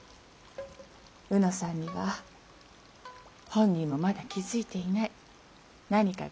卯之さんには本人もまだ気付いていない何かがあるんです。